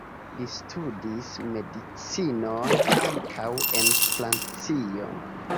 Li studis medicinon, ankaŭ en Francio.